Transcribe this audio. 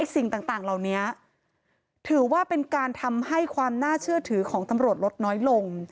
สิ่งต่างเหล่านี้ถือว่าเป็นการทำให้ความน่าเชื่อถือของตำรวจลดน้อยลง